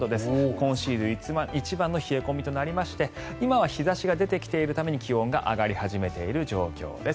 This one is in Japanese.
今シーズン一番の冷え込みとなりまして今は日差しが出てきているために気温が上がり始めている状況です。